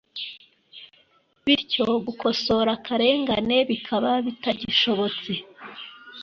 bityo gukosora akarengane bikaba bitagishobotse